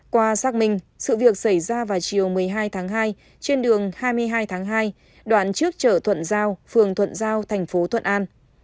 qua xác minh sự việc xảy ra vào chiều một mươi hai tháng hai trên đường hai mươi hai tháng hai đoạn trước chợ thuận giao phường thuận giao thành phố thuận an